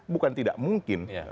bukan tidak mungkin